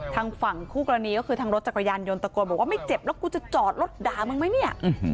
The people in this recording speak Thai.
ทางฝั่งคู่กรณีก็คือทางรถจักรยานยนต์ตะโกนบอกว่าไม่เจ็บแล้วกูจะจอดรถด่ามึงไหมเนี่ย